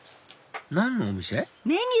何のお店？